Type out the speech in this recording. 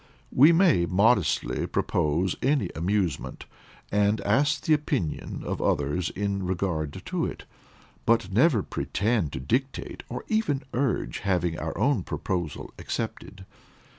We may modestly propose any amusement, and ask the opinion of others in regard to it; but never pretend to dictate, nor even urge having our own proposal accepted.